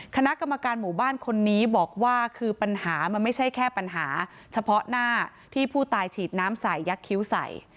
คณะกรรมการหมู่บ้านคนนี้บอกว่าคือปัญหามันไม่ใช่แค่ปัญหาเฉพาะหน้าที่ผู้ตายฉีดน้ำใส่ยักษ์คิ้วใส่